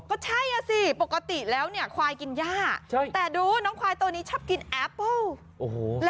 ก็ใช่อ่ะสิปกติแล้วเนี่ยควายกินย่าแต่ดูน้องควายตัวนี้ชอบกินแอปเปิ้ล